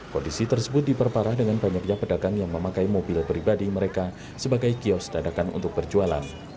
kondisi tersebut diperparah dengan banyaknya pedagang yang memakai mobil pribadi mereka sebagai kios dadakan untuk berjualan